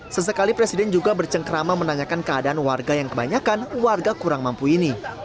sesekali presiden juga bercengkrama menanyakan keadaan warga yang kebanyakan warga kurang mampu ini